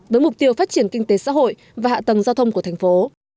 với mục tiêu phát triển kinh tế xã hội và hạ tầng giao thông của thành phố